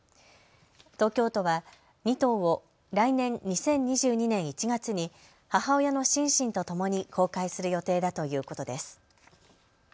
東京都は２頭を来年２０２２年１月に母親のシンシンとともに公開する予定だということです。